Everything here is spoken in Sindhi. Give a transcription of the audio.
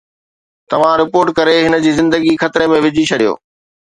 توهان رپورٽ ڪري هن جي زندگي خطري ۾ وجهي ڇڏيو